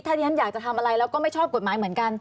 ถ้าที่ฉันอยากจะทำอะไรแล้วก็ไม่ชอบกฎหมายเหมือนกัน